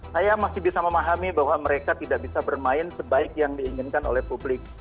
saya masih bisa memahami bahwa mereka tidak bisa bermain sebaik yang diinginkan oleh publik